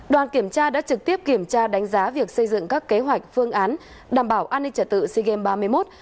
đoàn kiểm tra đã trực tiếp kiểm tra đánh giá việc xây dựng các kế hoạch phương án đảm bảo an ninh trả tự sea games ba mươi một